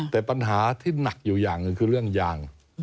แต่ปัญหาที่หนักอยู่อย่างหนึ่งคือเรื่องยาง